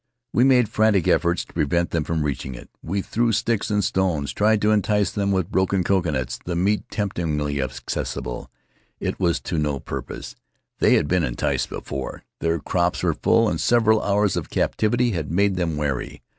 We made frantic efforts to prevent them from reaching it. We threw sticks and stones, tried to entice them with broken coconuts, the meat temptingly accessible. It was to no purpose. They had been enticed before; their crops were full, and several hours of captivity had made them wary.